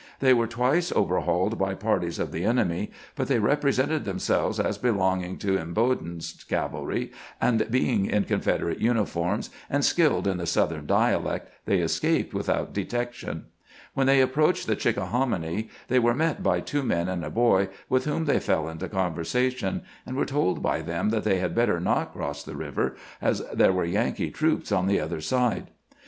They were twice over hauled by parties of the enemy, but they represented themselves as belonging to Imboden's cavahy, and being in Confederate uniforms and skilled in the Southern dialect, they escaped without detection. When they approached the Chickahominy they were met by two men and a boy, with whom they feU into conversation, and were told by them that they had better not cross the river, as there were Yankee troops on the other side.